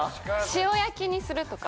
塩焼きにするとか。